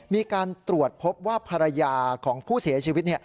มีการตรวจพบว่าภรรยาของผู้เสียชีวิต